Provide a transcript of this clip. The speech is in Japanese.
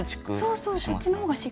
そうそうこっちの方がしっかり。